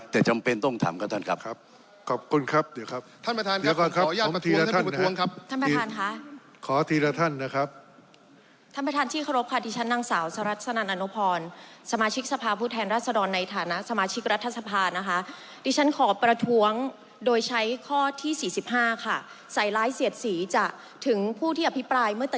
แต่จำเป็นต้องทำก็ท่านครับ